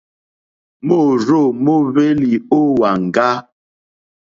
Môrzô móhwélì ó wàŋgá.